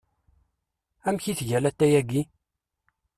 Amek i tga latay-agi?